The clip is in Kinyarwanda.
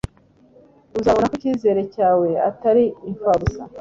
uzabona ko icyizere cyawe atari imfabusa